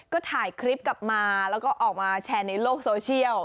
ก็ถ่ายคลิปกลับมาแล้วก็ออกมาแชร์ในโลกโซเชียล